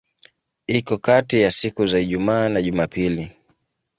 Iko kati ya siku za Ijumaa na Jumapili.